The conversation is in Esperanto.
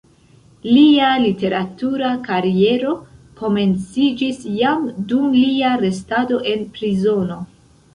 Lia literatura kariero komenciĝis jam dum lia restado en prizono.